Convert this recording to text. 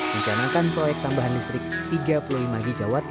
mencanakan proyek tambahan listrik tiga puluh lima gw